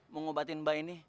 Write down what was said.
mengobatin mbak ini